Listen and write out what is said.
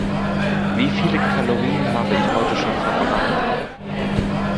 Wie viele Kalorien habe ich heute schon verbrannt?